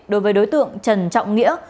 đối với đối tượng trần trọng nghĩa